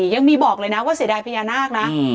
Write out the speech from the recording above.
ยังมีบอกเลยนะว่าเสียดายพญานาคนะ